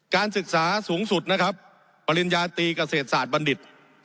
การศึกษาสูงสุดนะครับปริญญาตรีเกษตรศาสตร์บัณฑิต